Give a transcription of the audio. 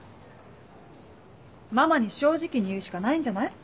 ママに正直に言うしかないんじゃない。